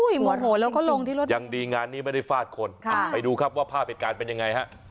อย่างดีงานนี้ไม่ได้ฟาดคนไปดูครับว่าภาพเหตุการณ์เป็นยังไงฮะ